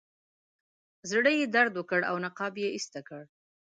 زړه یې درد وکړ او نقاب یې ایسته کړ.